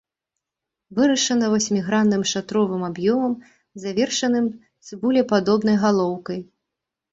Вырашана васьмігранным шатровым аб'ёмам, завершаным цыбулепадобнай галоўкай.